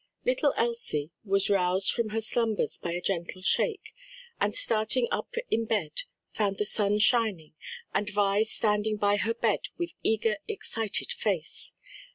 Little Elsie was roused from her slumbers by a gentle shake, and starting up in bed, found the sun shining and Vi standing by her side with eager, excited face.